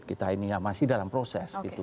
kita ini ya masih dalam proses gitu